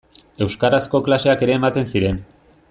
Euskarazko klaseak ere ematen ziren.